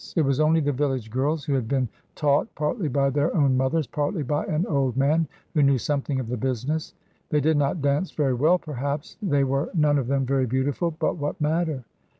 It was only the village girls who had been taught, partly by their own mothers, partly by an old man, who knew something of the business. They did not dance very well, perhaps; they were none of them very beautiful; but what matter?